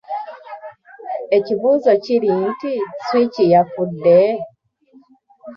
Ekibuuzo kiri nti Switch yafudde?